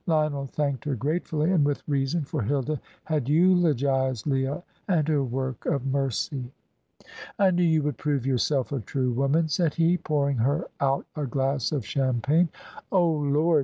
Lionel thanked her gratefully, and with reason, for Hilda had eulogised Leah and her work of mercy. "I knew you would prove yourself a true woman," said he, pouring her out a glass of champagne. "Oh, Lord!"